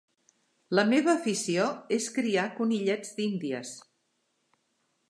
La meva afició és criar conillets d'Índies.